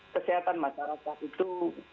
kesehatan masyarakat itu